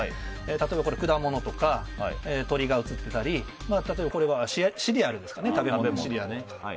例えばこれ、果物とか鳥が写ってたりこれはシリアルですかね。